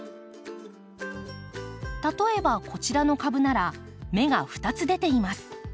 例えばこちらの株なら芽が２つ出ています。